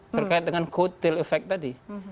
terkait dengan co tail effect tadi